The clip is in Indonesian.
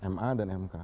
ma dan mk